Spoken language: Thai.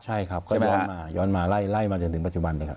ใช่ครับก็ย้อนมาย้อนมาไล่ไล่มาจนถึงปัจจุบัน